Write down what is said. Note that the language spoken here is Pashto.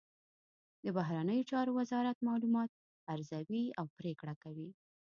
د بهرنیو چارو وزارت معلومات ارزوي او پریکړه کوي